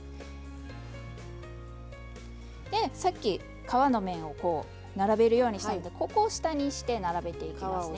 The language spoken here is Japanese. さっき皮の面を並べるようにしたのでここを下にして並べていきますね。